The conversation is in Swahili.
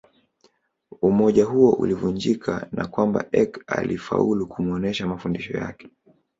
Umoja huo ulivunjika na kwamba Eck alifaulu kumuonesha mafundisho yake